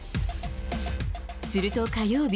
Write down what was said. すると火曜日。